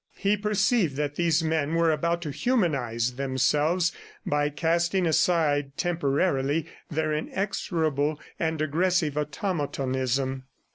He perceived that these men were about to humanize themselves by casting aside temporarily their inexorable and aggressive automatonism.